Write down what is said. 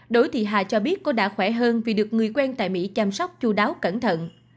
đỗ thị hà cho biết có đã khỏe hơn vì được người quen tại mỹ chăm sóc chú đáo cẩn thận